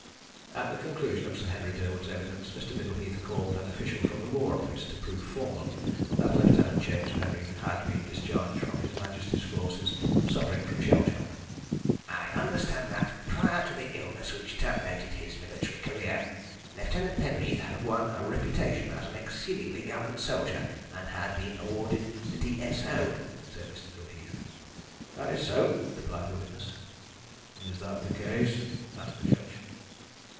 At the conclusion of Sir Henry Durwood's evidence Mr. Middleheath called an official from the War Office to prove formally that Lieutenant James Penreath had been discharged from His Majesty's forces suffering from shell shock. "I understand that, prior to the illness which terminated his military career, Lieutenant Penreath had won a reputation as an exceedingly gallant soldier, and had been awarded the D.S.O," said Mr. Middleheath. "That is so," replied the witness. "Is that the case?" asked the judge.